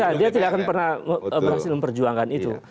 ya dia tidak akan pernah berhasil memperjuangkan itu